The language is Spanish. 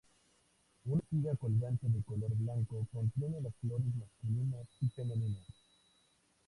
Una espiga colgante de color blanco contiene las flores masculinas y femeninas.